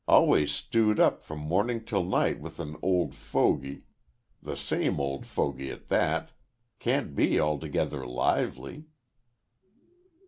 Always stewed up from morning till night with an old fogey the same old fogey at that can't be altogether lively."